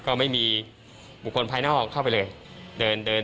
ก็ไม่มีบุคคลภายในออกเข้าไปเลย